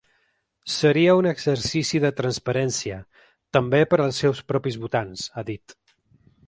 Seria un exercici de transparència, també per als seus propis votants, ha dit.